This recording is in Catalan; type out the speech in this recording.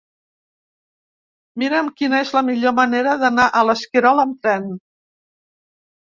Mira'm quina és la millor manera d'anar a l'Esquirol amb tren.